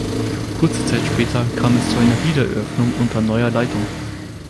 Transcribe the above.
Kurze Zeit später kam es zu einer Wiedereröffnung unter neuer Leitung.